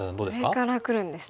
上からくるんですね。